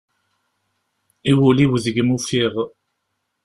I wul-iw deg-m ufiɣ.